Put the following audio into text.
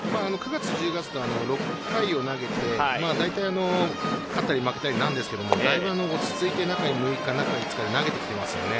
９月、１０月と６回を投げて勝ったり負けたりなんですがだいぶ落ち着いて中６日、中５日で投げていますね。